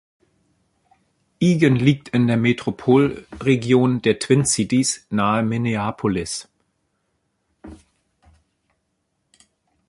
Eagan liegt in der Metropolregion der Twin Cities nahe Minneapolis.